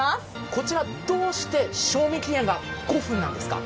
こちら、どうして賞味期限が５分なんですか？